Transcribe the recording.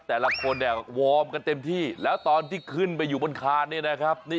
แต่ละคนเนี่ยวอร์มกันเต็มที่แล้วตอนที่ขึ้นไปอยู่บนคานเนี่ยนะครับ